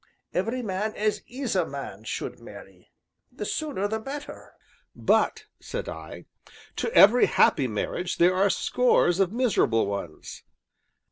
Every man as is a man should marry the sooner the better." "But," said I, "to every happy marriage there are scores of miserable ones."